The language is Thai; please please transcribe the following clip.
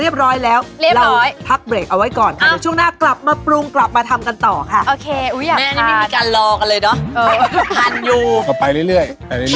เสร็จจันบาย